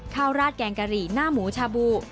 ราดแกงกะหรี่หน้าหมูชาบู